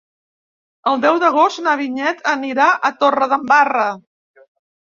El deu d'agost na Vinyet anirà a Torredembarra.